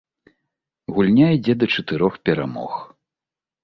Гульня ідзе да чатырох перамог.